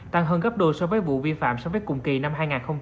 tăng hơn gấp đôi so với vụ vi phạm so với cùng kỳ năm hai nghìn một mươi tám